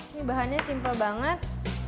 ini bahannya simple banget